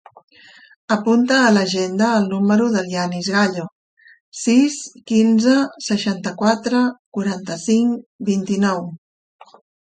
Apunta a l'agenda el número del Yanis Gallo: sis, quinze, seixanta-quatre, quaranta-cinc, vint-i-nou.